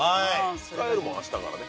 使えるもんあしたからね。